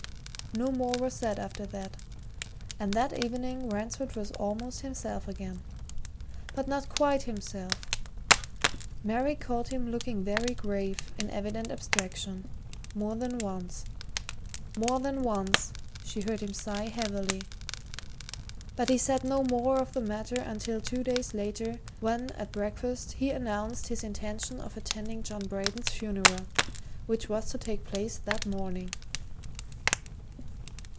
No more was said after that, and that evening Ransford was almost himself again. But not quite himself. Mary caught him looking very grave, in evident abstraction, more than once; more than once she heard him sigh heavily. But he said no more of the matter until two days later, when, at breakfast, he announced his intention of attending John Braden's funeral, which was to take place that morning.